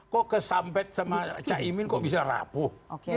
kok kesampet sama caimin kok bisa rapuh